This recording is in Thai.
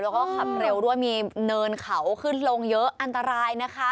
แล้วก็ขับเร็วด้วยมีเนินเขาขึ้นลงเยอะอันตรายนะคะ